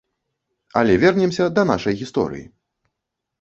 Але вернемся да нашай гісторыі.